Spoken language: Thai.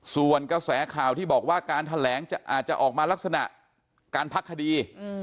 ส่วนกระแสข่าวที่บอกว่าการแถลงอาจจะออกมาลักษณะการพักคดี